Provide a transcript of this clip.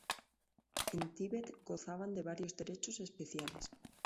En Tíbet gozaban de varios derechos especiales.